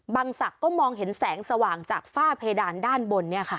บางศักดิ์ก็มองเห็นแสงสว่างจากฝ้าเพดานด้านบนเนี่ยค่ะ